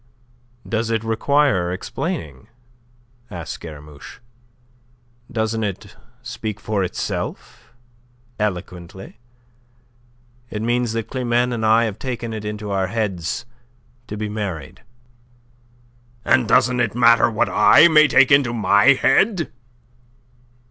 "Does it require explaining?" asked Scaramouche. "Doesn't it speak for itself eloquently? It means that Climene and I have taken it into our heads to be married." "And doesn't it matter what I may take into my head?"